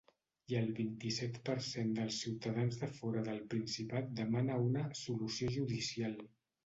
I un vint-i-set per cent dels ciutadans de fora del Principat demana una ‘solució judicial’.